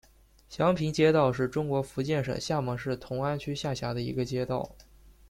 祥平街道是中国福建省厦门市同安区下辖的一个街道。